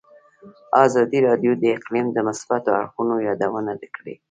ازادي راډیو د اقلیم د مثبتو اړخونو یادونه کړې.